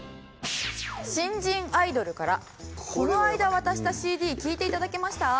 新人アイドルから「この間渡したＣＤ聴いて頂けました？」。